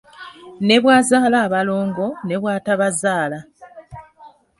Ne bw'azaala abalongo ne bw'atabazaala.